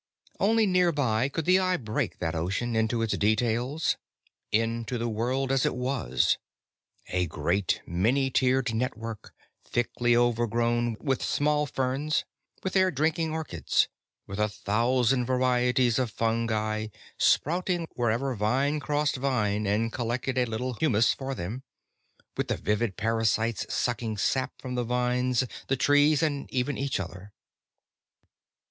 Only nearby could the eye break that ocean into its details, into the world as it was: a great, many tiered network, thickly overgrown with small ferns, with air drinking orchids, with a thousand varieties of fungi sprouting wherever vine crossed vine and collected a little humus for them, with the vivid parasites sucking sap from the vines, the trees, and even each other.